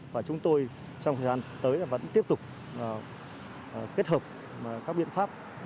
và chúng tôi trong thời gian tới vẫn tiếp tục kết hợp các biện pháp